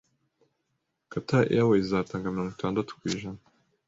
Qatar Airways izatanga mirongo idatandatu kw’ijana